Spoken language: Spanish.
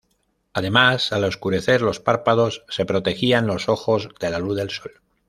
Además, al oscurecer los párpados se protegían los ojos de la luz del sol.